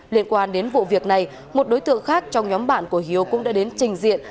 liên quan đến vụ việc này một đối tượng khác trong nhóm bạn của hiếu cũng đã đến trình diện